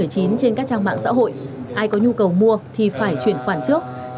trên các trang mạng xã hội ai có nhu cầu mua thì phải chuyển khoản trước